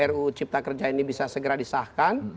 ruu cipta kerja ini bisa segera disahkan